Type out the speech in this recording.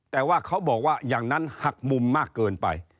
แต่ว่าเขาบอกว่าอย่างนั้นหักมุมมากเกินไป